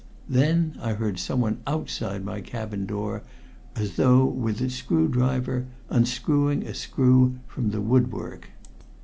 Then I heard someone outside my cabin door working as though with a screwdriver, unscrewing a screw from the woodwork.